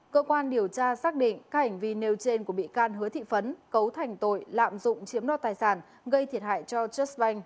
cơ quan điều tra xác định cả ảnh vi nêu trên của bị can hứa thị phấn cấu thành tội lạm dụng chiếm đoạt tài sản gây thiệt hại cho trust bank